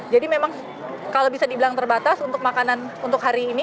jadi memang kalau bisa dibilang terbatas untuk makanan untuk hari ini